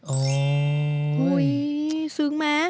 โอ้ยซึ้งมั้ย